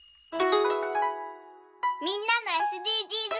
みんなのＳＤＧｓかるた。